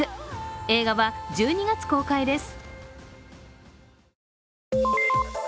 映画は１２月公開です。